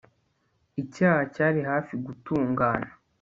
Icyaha cyari hafi gutungana